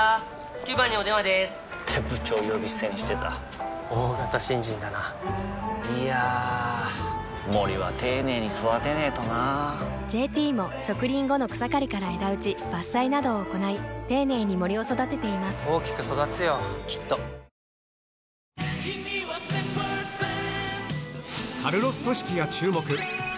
９番にお電話でーす！って部長呼び捨てにしてた大型新人だないやー森は丁寧に育てないとな「ＪＴ」も植林後の草刈りから枝打ち伐採などを行い丁寧に森を育てています大きく育つよきっとそれではＮｉｃｋ＆Ｎｏｏｊｏｏの原田さん